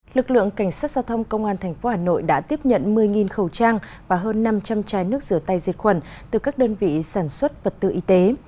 lực lượng cảnh sát giao thông công an tp hà nội đã tiếp nhận một mươi khẩu trang và hơn năm trăm linh trái nước rửa tay diệt khuẩn từ các đơn vị sản xuất vật tư y tế